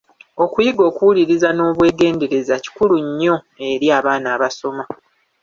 Okuyiga okuwulirirza n’obwegendereza kikulu nnyo eri abaana abasoma.